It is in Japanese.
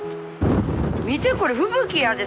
見てこれ吹雪やで？